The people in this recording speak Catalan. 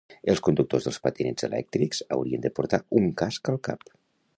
Els conductors dels patinets electrics haurien de portar un casc al cap